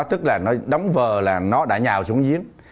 tức là nó đấm vờ là nó đã nhào xuống giếng